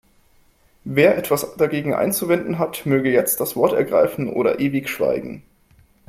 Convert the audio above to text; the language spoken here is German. Wer etwas dagegen einzuwenden hat, möge jetzt das Wort ergreifen oder ewig schweigen.